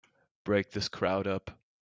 Break this crowd up!